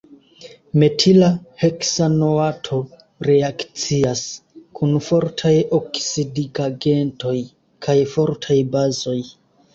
Metila heksanoato reakcias kun fortaj oksidigagentoj kaj fortaj bazoj.